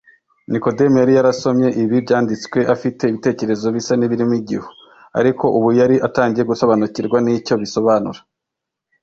Nikodemo yari yarasomye ibi byanditswe afite ibitekerezo bisa n’ibirimo igihu; ariko ubu yari atangiye gusobanukirwa n’icyo bisobanura.